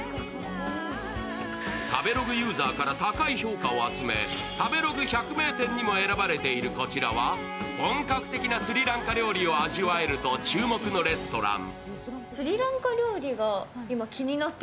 食べログユーザーから高い評価を集め、食べログ百名店にも選ばれているこちらは、本格的なスリランカ料理を味わえると注目のレストラン。